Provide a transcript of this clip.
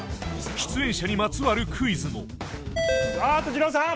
出演者にまつわるクイズもああっとじろうさん！